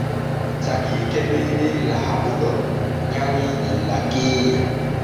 Sakiike meeɗen Laaɓuɗo nyawi illa keenya.